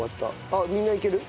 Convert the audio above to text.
あっみんないける。